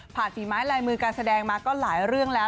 ฝีไม้ลายมือการแสดงมาก็หลายเรื่องแล้ว